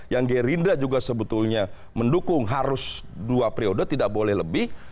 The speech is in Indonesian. yang gerindra juga sebetulnya mendukung harus dua periode tidak boleh lebih